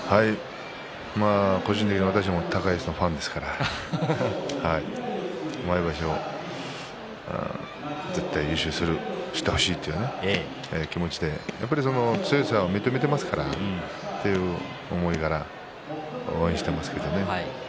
個人的に私は高安のファンですから毎場所、絶対優勝するしてほしいという気持ちで強さを認めていますから応援していますけどね。